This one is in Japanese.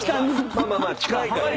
まあまあまあ近いからね。